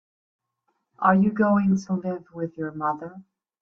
Are you going to live with your mother?